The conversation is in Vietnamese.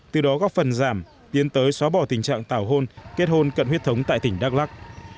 từ đó góp phần giảm tiến tới xóa bỏ tình trạng tảo hôn kết hôn cận huyết thống tại tỉnh đắk lắc